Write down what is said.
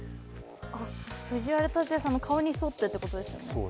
藤原竜也さんの顔に沿ってということですよね。